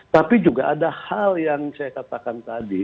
tapi juga ada hal yang saya katakan tadi